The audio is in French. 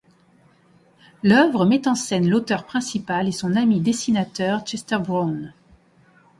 L'œuvre met en scène l'auteur principal et son ami dessinateur Chester Brown.